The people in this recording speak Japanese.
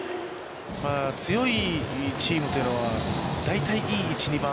強いチームというのは大体いい１、２番。